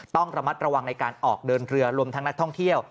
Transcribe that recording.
ต้องระมัดระวังในการออกเดินเรือรวมทั้งนักท่องเที่ยว